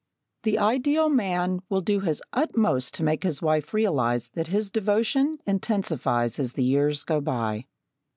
The ideal man will do his utmost to make his wife realise that his devotion intensifies as the years go by.